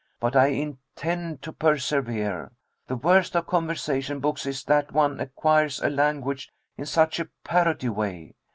But I intend to persevere. The worst of conversation books is that one acquires a language in such a parroty way.